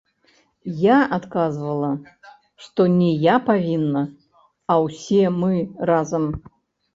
Я адказвала, што не я павінна, а ўсе мы разам.